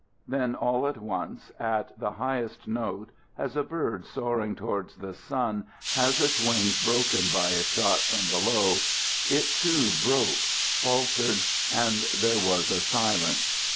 Then, all at once, at the highest note, as a bird soaring towards the sun has its wings broken by a shot from below, it too broke, faltered, and there was a silence.